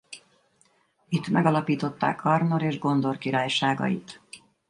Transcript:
Itt megalapították Arnor és Gondor királyságait.